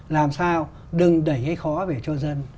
làm sao đừng đẩy gây khó về cho dân